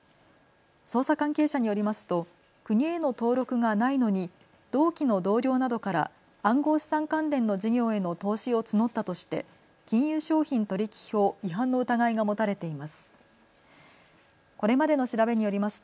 捜査関係者によりますと国への登録がないのに同期の同僚などから暗号資産関連の事業への投資を募ったとして金融商品取引法違反の疑いが持たれています。